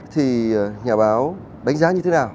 thì nhà báo đánh giá như thế nào